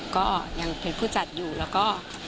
ก็ยังเป็นผู้จัดอยู่แล้วก็